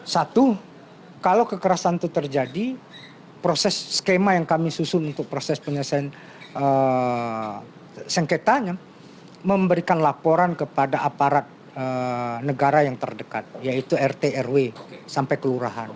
satu kalau kekerasan itu terjadi proses skema yang kami susun untuk proses penyelesaian sengketanya memberikan laporan kepada aparat negara yang terdekat yaitu rt rw sampai kelurahan